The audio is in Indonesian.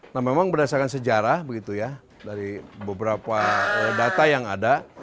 nah memang berdasarkan sejarah begitu ya dari beberapa data yang ada